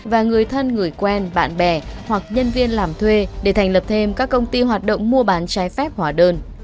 và người thân người quen bạn bè hoặc nhân viên làm thuê để thành lập thêm các công ty hoạt động mua bán trái phép hóa đơn